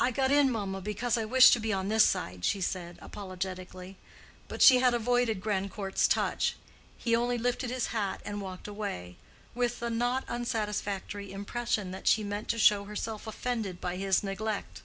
"I got in, mamma, because I wished to be on this side," she said, apologetically. But she had avoided Grandcourt's touch: he only lifted his hat and walked away—with the not unsatisfactory impression that she meant to show herself offended by his neglect.